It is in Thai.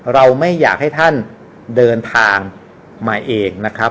เราไม่อยากให้ท่านเดินทางมาเองนะครับ